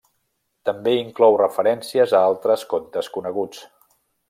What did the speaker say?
També inclou referències a altres contes coneguts.